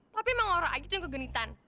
tapi emang laura aja tuh yang kegenitan